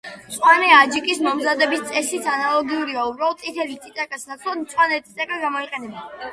მწვანე აჯიკის მომზადების წესიც ანალოგიურია, უბრალოდ, წითელი წიწაკის ნაცვლად მწვანე წიწაკა გამოიყენება.